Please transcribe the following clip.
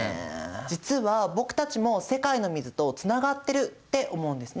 実は僕たちも世界の水とつながってるって思うんですね。